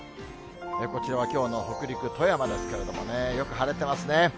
こちらはきょうの北陸、富山ですけれどもね、よく晴れてますね。